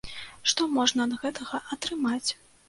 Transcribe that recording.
Што можна ад гэтага атрымаць?